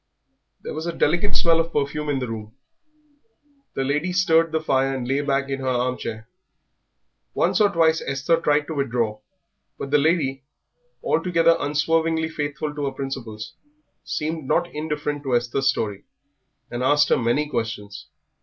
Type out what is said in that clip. There was a delicate smell of perfume in the room; the lady stirred the fire and lay back in her armchair. Once or twice Esther tried to withdraw, but the lady, although unswervingly faithful to her principles, seemed not indifferent to Esther's story, and asked her many questions.